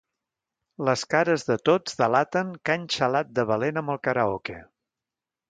Les cares de tots delaten que han xalat de valent amb el karaoke.